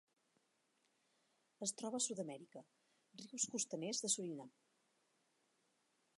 Es troba a Sud-amèrica: rius costaners de Surinam.